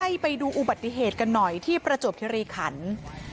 ไปดูอุบัติเหตุกันหน่อยที่ประจวบคิริขัน